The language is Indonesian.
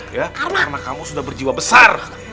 karena kamu sudah berjiwa besar